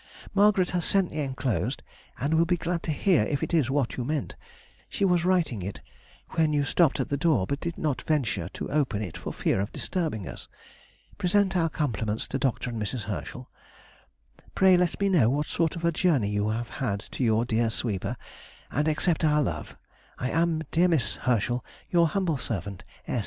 Margaret has sent the enclosed, and will be glad to hear if it is what you meant; she was writing it when you stopped at the door, but did not venture to open it for fear of disturbing us. Present our compliments to Dr. and Mrs. Herschel. Pray let me know what sort of a journey you have had to your dear sweeper, and accept our love. I am, dear Miss Herschel, Your humble servant, S.